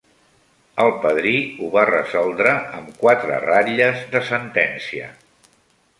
El padrí ho va resoldre am quatre ratlles de sentencia.